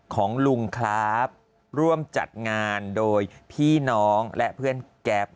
ของลุงครับร่วมจัดงานโดยพี่น้องและเพื่อนแก๊ป